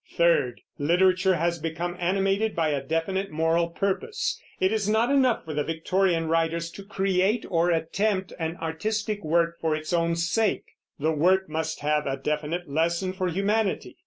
Third, literature has become animated by a definite moral purpose. It is not enough for the Victorian writers to create or attempt an artistic work for its own sake; the work must have a definite lesson for humanity.